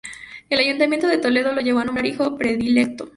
El Ayuntamiento de Toledo lo llegó a nombrar hijo predilecto.